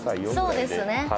そうですね。